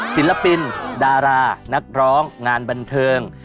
ศิลปินดารานักร้องงานบันเทิง